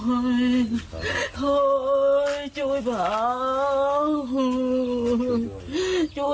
โอ้โหโอ้โห